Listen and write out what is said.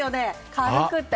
軽くて！